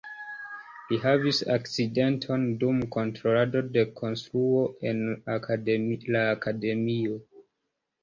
Li havis akcidenton dum kontrolado de konstruo en la akademio.